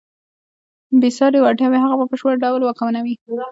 بېساري وړتیاوې هغه په بشپړ ډول واکمنوي.